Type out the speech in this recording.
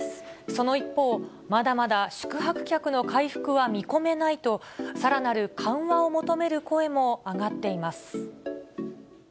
その一方、まだまだ宿泊客の回復は見込めないと、さらなる緩和を求める声も上がっています。